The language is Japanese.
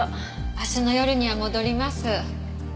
明日の夜には戻ります。